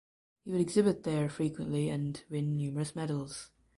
He would exhibit there frequently and win numerous medals.